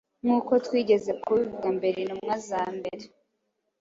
Nk'uko twigeze kubivuga mbere, intumwa za mbere